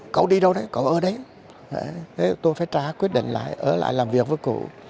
cậu đi đâu đấy còn ở đấy tôi phải trả quyết định lại ở lại làm việc với cụ